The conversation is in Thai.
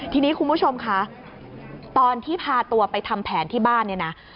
ทีนี้คุณผู้ชมคะตอนที่พาตัวไปทำแผนที่บ้านเนี่ยนะ